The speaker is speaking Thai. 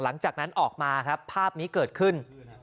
หลังจากนั้นออกมาครับภาพนี้เกิดขึ้น